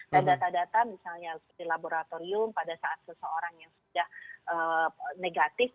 dan data data misalnya di laboratorium pada saat seseorang yang sudah negatif